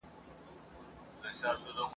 زه د مرګ له تور ګردابه خپل نصیب یم را ایستلی !.